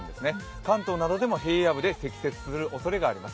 関東などでも平野部でも積雪するおそれがあります。